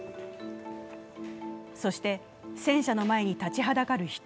そして、戦車の前に立ちはだかる人